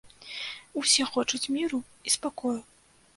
Усе хочуць міру і спакою.